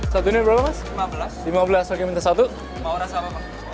satu ini berapa mas lima belas lima belas pakai minta satu mau rasa apa mas